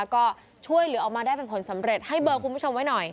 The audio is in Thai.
ก็ช่วยเหลือออกมาได้เป็นผลสำเร็จให้เบอร์คุณผู้ชมไว้หน่อย